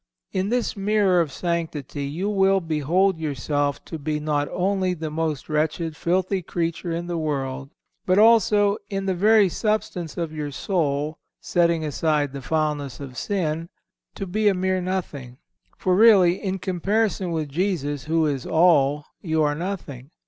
In this mirror of sanctity you will behold yourself to be not only the most wretched, filthy creature in the world, but also, in the very substance of your soul, setting aside the foulness of sin, to be a mere nothing; for really, in comparison with Jesus who is All, you are nothing.